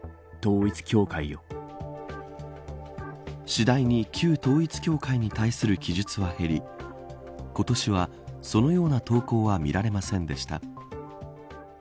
次第に旧統一教会に対する記述は減り今年は、そのような投稿は見られませんでした。